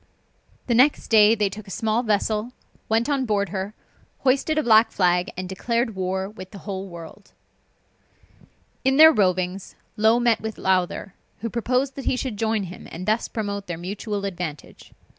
The next day they took a small vessel, went on board her, hoisted a black flag, and declared war with the whole world. In their rovings, Low met with Lowther, who proposed that he should join him, and thus promote their mutual advantage.